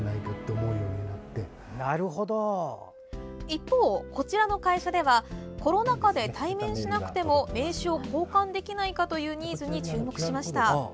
一方こちらの会社ではコロナ禍で対面しなくても名刺を交換できないかというニーズに注目しました。